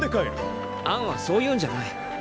アンはそういうんじゃない。